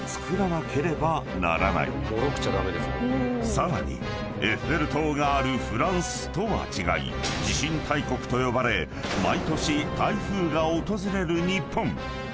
［さらにエッフェル塔があるフランスとは違い地震大国と呼ばれ毎年台風が訪れる日本］